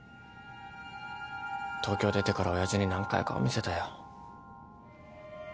東京出てから親父に何回顔見せたよ。